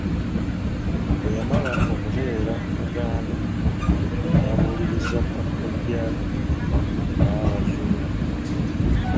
Bwe yamala okutereera ku Buganda n'abuuliriza bakojjaabe n'aba-zuula.